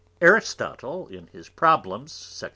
Aristotle, in his Problems, Sect.